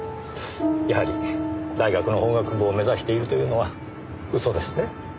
やはり大学の法学部を目指しているというのは嘘ですね？